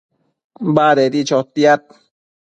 Badedi chotiad